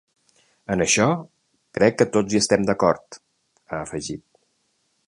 “En això, crec que tots hi estem d’acord”, ha afegit.